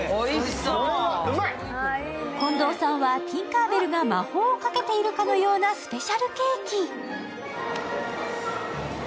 近藤さんは、ティンカー・ベルが魔法をかけているかのようなスペシャルケーキ。